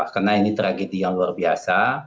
karena ini tragedi yang luar biasa